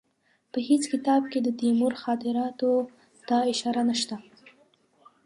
په هېڅ کتاب کې د تیمور خاطراتو ته اشاره نشته.